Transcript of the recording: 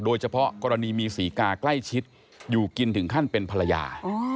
โดยเฉพาะกรณีมีศรีกาใกล้ชิดอยู่กินถึงขั้นเป็นภรรยา